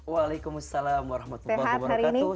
waalaikumsalam warahmatullahi wabarakatuh